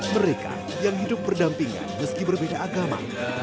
mereka yang hidup berdampingan meski berbeda agama